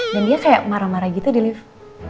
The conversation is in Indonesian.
dan dia kayak marah marah gitu di lift